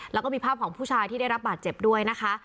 แล้วก็มีภาพของผู้ชายที่ได้รับบาดเจ็บด้วยนะคะ